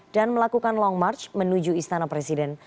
dan melakukan long march menuju istana presiden